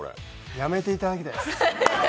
やめていただきたいです。